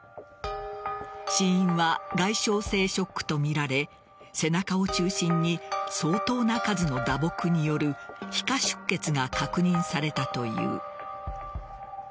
死因は外傷性ショックとみられ背中を中心に相当な数の打撲による皮下出血が確認されたという。